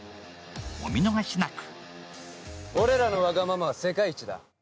お見逃しなく！